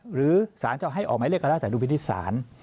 หรือสารเจ้าให้ออกหมายเรียกก็ได้แต่รูปนิตสาร